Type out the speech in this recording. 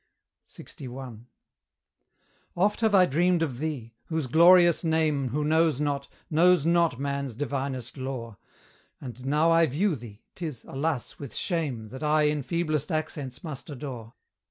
LXI. Oft have I dreamed of thee! whose glorious name Who knows not, knows not man's divinest lore: And now I view thee, 'tis, alas, with shame That I in feeblest accents must adore.